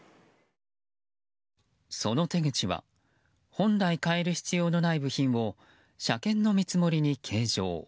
その手口は本来変える必要のない部品を車検の見積もりに計上。